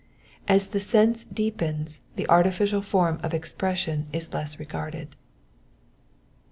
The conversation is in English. As the sense deepens, the artificial form of expression is less regarded.